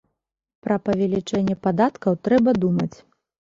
Пра павелічэнне падаткаў трэба думаць.